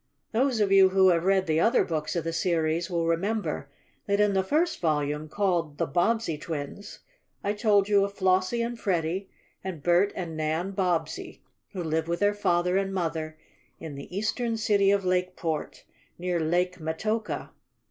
Those of you who have read the other books of the series will remember that in the first volume, called "The Bobbsey Twins," I told you of Flossie and Freddie, and Bert and Nan Bobbsey, who lived with their father and mother in the eastern city of Lakeport, near Lake Metoka.